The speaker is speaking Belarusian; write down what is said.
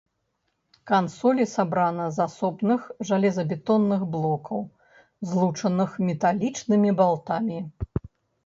Кансолі сабрана з асобных жалезабетонных блокаў, злучаных металічнымі балтамі.